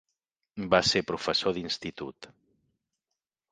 Va ser professor d'Institut.